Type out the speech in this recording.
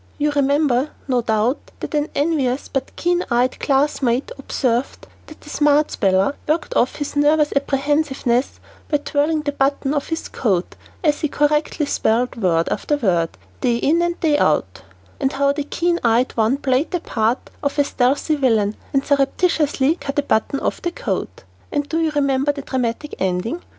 You remember, no doubt, that an envious but keen eyed classmate observed that the smart speller worked off his nervous apprehensiveness by twirling the top button of his coat as he correctly spelled word after word, day in and day out; and how the keen eyed one played the part of a stealthy villain and surreptitiously cut the button off the coat. And do you remember the dramatic ending?